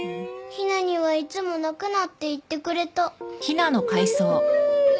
陽菜にはいつも泣くなって言ってくれた。